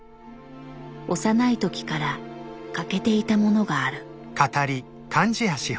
幼い時から欠けていたものがある。